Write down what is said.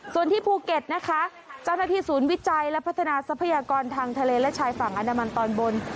ส่วนที่ภูเก็ตนะคะเจ้าหน้าที่ศูนย์วิจัยและพัฒนาทรัพยากรทางทะเลและชายฝั่งอันดามันตอนบน